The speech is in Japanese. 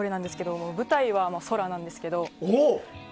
舞台は空なんですけど。